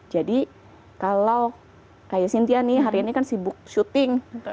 jadi kalau kayak sintia nih hari ini kan sibuk syuting